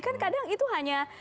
kan kadang itu hanya